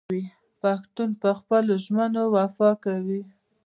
پښتون په خپلو ژمنو وفا کوي.